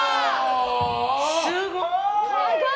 すごーい！